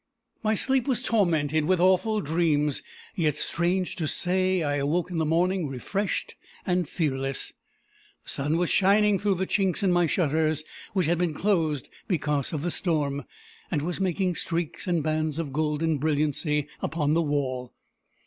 My sleep was tormented with awful dreams; yet, strange to say, I awoke in the morning refreshed and fearless. The sun was shining through the chinks in my shutters, which had been closed because of the storm, and was making streaks and bands of golden brilliancy upon the wall.